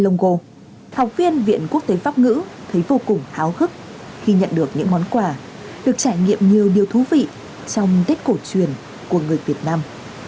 học viện quốc tế pháp ngữ thấy vô cùng háo hức khi nhận được những món quà được trải nghiệm nhiều điều thú vị trong tết cổ truyền của người việt nam